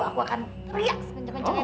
aku akan teriak sekenceng kencengnya